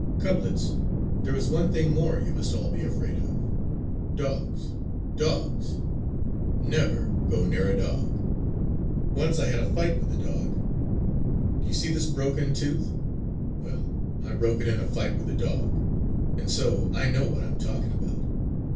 "Cublets, there is one thing more you must all be afraid of: dogs! dogs! Never go near a dog! Once I had a fight with a dog. Do you see this broken tooth? Well, I broke it in a fight with a dog! And so I know what I am talking about!